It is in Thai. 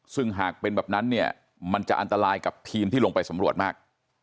ซึ่งหากเป็นแบบนั้นเนี่ยมันจะอันตรายกับทีมที่ลงไปสำรวจมาก